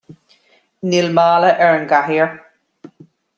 Níl mála ar an gcathaoir